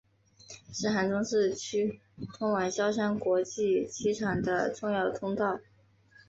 是杭州市区通往萧山国际机场的重要通道。